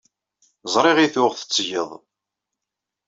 Ẓriɣ ay tuɣ tetteggeḍ.